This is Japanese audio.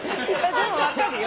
でも分かるよ。